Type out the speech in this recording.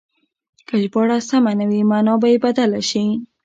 که ژباړه سمه نه وي مانا به يې بدله شي.